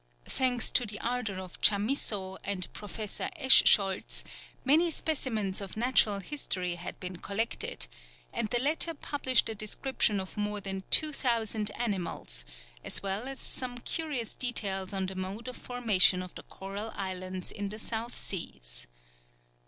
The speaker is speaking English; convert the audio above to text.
Thanks to the ardour of Chamisso and Professor Eschscholtz, many specimens of natural history had been collected, and the latter published a description of more than 2000 animals, as well as some curious details on the mode of formation of the Coral islands in the South Seas.